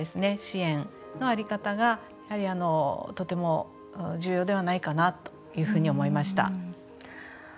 支援の在り方がやはり、とても重要ではないかなというふうに思いました。